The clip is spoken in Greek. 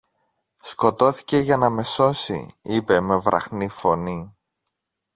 Σκοτώθηκε για να με σώσει, είπε με βραχνή φωνή.